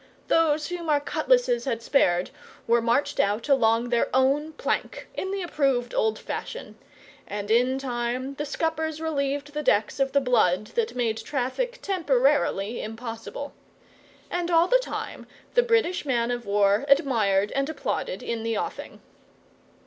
Those whom our cutlasses had spared were marched out along their own plank, in the approved old fashion; and in time the scuppers relieved the decks of the blood that made traffic temporarily impossible. And all the time the British man of war admired and applauded in the offing.